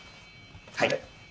はい。